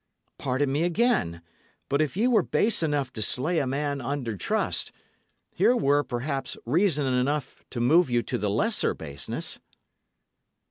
Pardon me again; but if ye were base enough to slay a man under trust, here were, perhaps, reasons enough to move you to the lesser baseness."